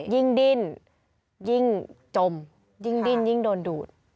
ยิ่งดิ้นยิ่งจมยิ่งดิ้นยิ่งโดนดูด